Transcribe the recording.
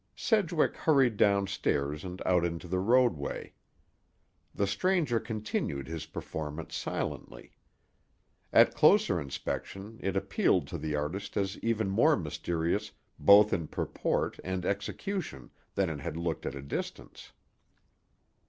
Sedgwick hurried down stairs and out into the roadway. The stranger continued his performance silently. At closer inspection it appealed to the artist as even more mysterious both in purport and execution than it had looked at a distance.